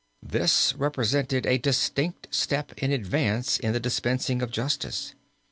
This represented a distinct step in advance in the dispensing of justice.